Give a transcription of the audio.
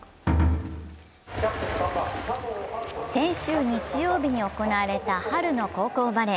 先週日曜日に行われた春の高校バレー。